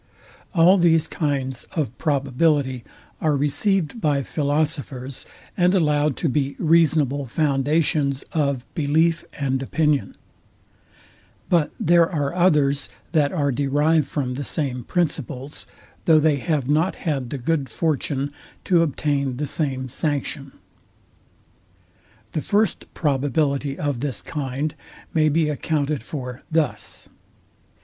All these kinds of probability are received by philosophers, and allowed to be reasonable foundations of belief and opinion. But there are others, that are derived from the same principles, though they have not had the good fortune to obtain the same sanction. The first probability of this kind may be accounted for thus.